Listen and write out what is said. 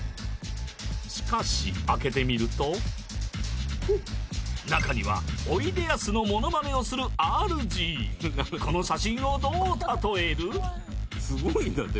しかし開けてみると中にはおいでやすのモノマネをするＲＧこの写真をどうたとえる？